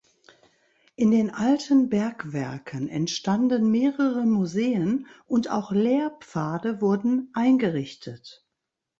In den alten Bergwerken entstanden mehrere Museen und auch Lehrpfade wurden eingerichtet.